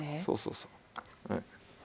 そうそうそう。